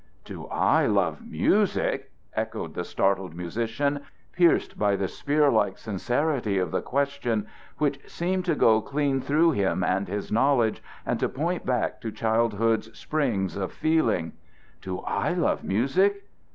_" "Do I love music?" echoed the startled musician, pierced by the spear like sincerity of the question, which seemed to go clean through him and his knowledge and to point back to childhood's springs of feeling. "Do I love music?